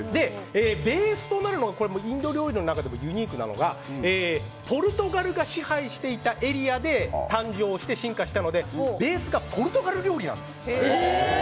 ベースとなるのがインド料理の中でもユニークなのが、ポルトガルが支配していたエリアで誕生して進化したのでベースがポルトガル料理です。